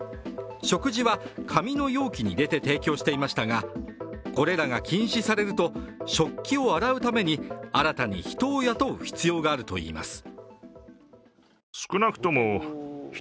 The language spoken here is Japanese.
食事は紙の容器に入れて提供していましたが、これらが禁止されると食器を洗うために新たに人を雇う必要があるといいます。